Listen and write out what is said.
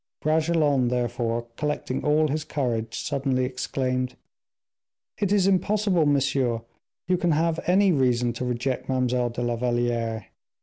Bragelonne, therefore, collecting all his courage, suddenly exclaimed, "It is impossible, monsieur, you can have any reason to reject Mademoiselle de la Valliere!